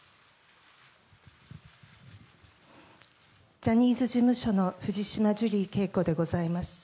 ジャニーズ事務所の藤島ジュリー景子でございます。